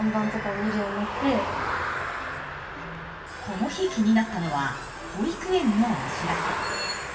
この日気になったのは保育園のお知らせ。